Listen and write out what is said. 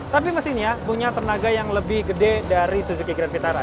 tapi mesinnya punya tenaga yang lebih gede dari suzuki grand vitara